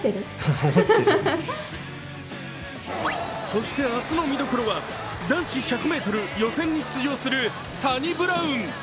そして、明日の見どころは男子１００ｍ予選に出場するサニブラウン。